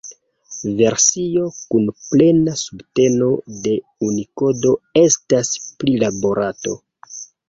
Versio kun plena subteno de Unikodo estas prilaborata.